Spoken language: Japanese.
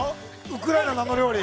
ウクライナのあの料理。